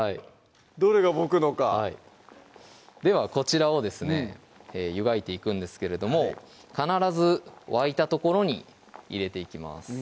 どれが僕のかはいではこちらをですね湯がいていくんですけれども必ず沸いた所に入れていきます